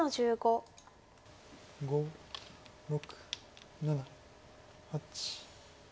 ５６７８。